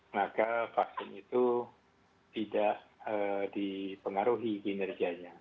maka vaksin itu tidak dipengaruhi kinerjanya